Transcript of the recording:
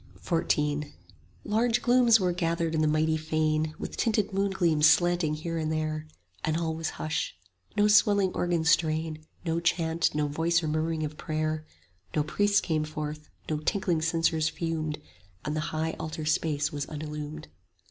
XIV Large glooms were gathered in the mighty fane, With tinted moongleams slanting here and there; And all was hush: no swelling organ strain, No chant, no voice or murmuring of prayer; No priests came forth, no tinkling censers fumed, 5 And the high altar space was unillumed.